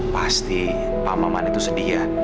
pasti pak maman itu sedia